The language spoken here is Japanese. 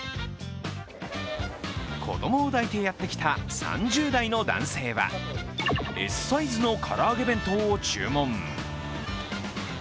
子供を抱いてやってきた３０代の男性はＳサイズの唐揚げ弁当を注文。